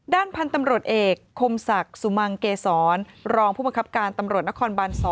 ด้านพันธุ์ตำรวจเอกคมศักดิ์สุมังเกษรรองผู้บังคับการตำรวจนครบาน๒